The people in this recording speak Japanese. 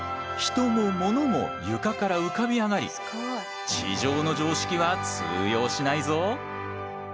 人もモノも床から浮かび上がり地上の常識は通用しないぞ。